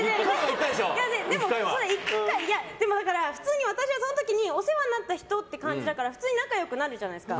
普通に私はその時にお世話になった人という感じだから普通に仲良くなるじゃないですか。